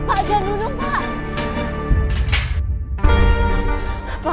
pak jangan ditutup dulu ya